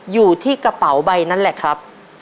อยู่ที่กระเป๋าใบนั้นแหละครับ